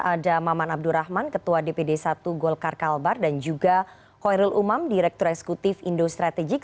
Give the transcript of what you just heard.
ada maman abdurrahman ketua dpd satu golkar kalbar dan juga khoirul umam direktur eksekutif indo strategik